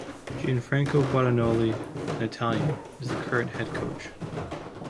Gianfranco Guadagnoli, an Italian, is the current head coach.